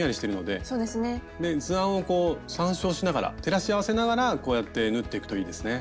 で図案をこう参照しながら照らし合わせながらこうやって縫っていくといいですね。